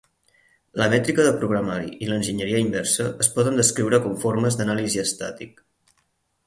La mètrica de programari i l'enginyeria inversa es poden descriure com formes d'anàlisi estàtic.